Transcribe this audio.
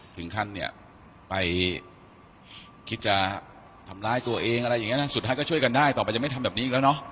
ถึงขั้นเนี่ยไปคิดจะทำร้ายตัวเองอะไรอย่างเงี้นะสุดท้ายก็ช่วยกันได้ต่อไปจะไม่ทำแบบนี้อีกแล้วเนาะ